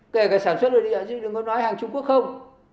kể cả sản xuất đồ điện chứ đừng có nói hàng trung quốc không